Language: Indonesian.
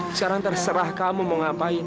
sekarang terserah kamu mau ngapain